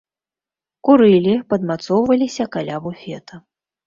Курылі, падмацоўваліся каля буфета.